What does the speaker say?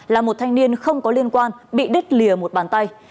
là một thanh niên không có liên quan bị đứt lìa một bàn tay